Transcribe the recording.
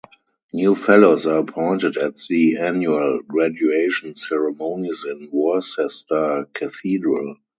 New Fellows are appointed at the annual Graduation Ceremonies in Worcester Cathedral.